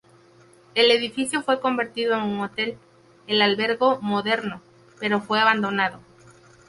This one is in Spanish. El edificio fue convertido en un hotel, el "Albergo Moderno", pero fue abandonado.